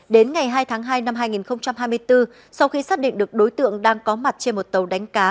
đến ngày hai tháng hai năm hai nghìn hai mươi bốn sau khi xác định được đối tượng đang có mặt trên một tàu đánh cá